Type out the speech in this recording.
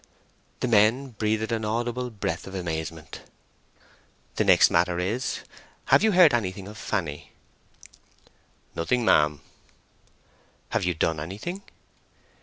The men breathed an audible breath of amazement. "The next matter is, have you heard anything of Fanny?" "Nothing, ma'am." "Have you done anything?"